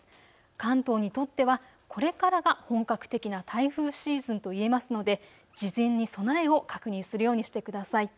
関東にとってはこれからが本格的な台風シーズンといえますので事前に備えを確認するようにしてください。